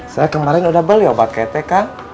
saya kemarin udah beli obat kete kan